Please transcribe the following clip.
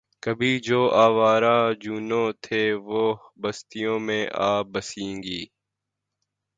کبھی جو آوارۂ جنوں تھے وہ بستیوں میں آ بسیں گے